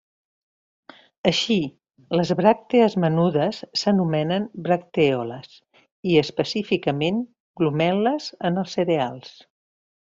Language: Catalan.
Així, les bràctees menudes s'anomenen bractèoles, i específicament glumel·les en els cereals.